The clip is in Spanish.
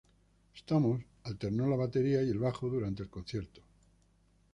Stamos alternó la batería y el bajo durante el concierto.